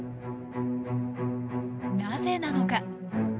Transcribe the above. なぜなのか。